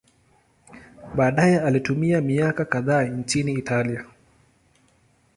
Baadaye alitumia miaka kadhaa nchini Italia.